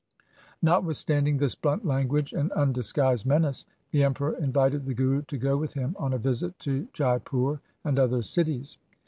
Notwithstanding this blunt language and undis guised menace, the Emperor invited the Guru to go with him on a visit to Jaipur and other cities.